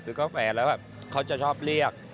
กาแฟแล้วแบบเขาจะชอบเรียก